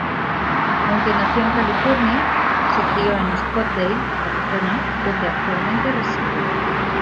Aunque nació en California, se crio en Scottsdale, Arizona, donde actualmente reside.